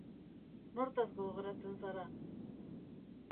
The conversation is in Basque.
Nortaz gogoratzen zara?